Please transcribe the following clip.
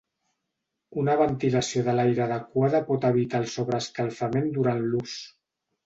Una ventilació de l'aire adequada pot evitar el sobreescalfament durant l'ús.